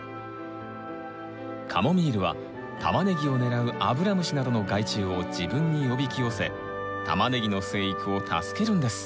カモミールはタマネギを狙うアブラムシなどの害虫を自分におびき寄せタマネギの生育を助けるんです。